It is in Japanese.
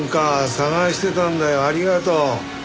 捜してたんだよありがとう。